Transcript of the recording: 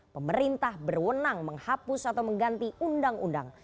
pemerintah berwenang menghapus atau mengganti undang undang